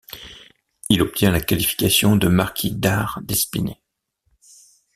Il obtient la qualification de marquis Dard d'Espinay.